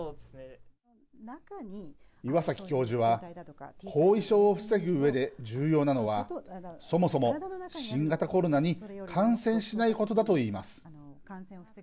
岩崎教授は後遺症を防ぐうえで重要なのはそもそも、新型コロナに感染しないことだといいます。